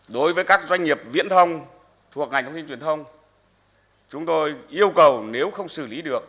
đối với các doanh nghiệp viễn thông thuộc ngành thông tin truyền thông chúng tôi yêu cầu nếu không xử lý được